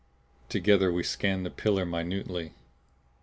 Together we scanned the pillar minutely.